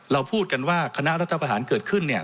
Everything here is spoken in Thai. พูดกันว่าคณะรัฐประหารเกิดขึ้นเนี่ย